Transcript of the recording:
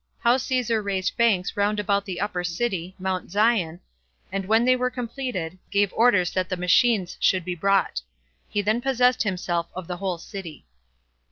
How Caesar Raised Banks Round About The Upper City [Mount Zion] And When They Were Completed, Gave Orders That The Machines Should Be Brought. He Then Possessed Himself Of The Whole City.